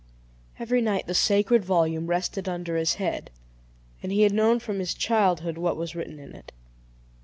Every night the sacred volume rested under his head, and he had known from his childhood what was written in it.